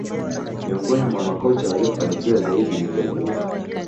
miongoni mwa makocha waliofanikiwa zaidi ni guardiola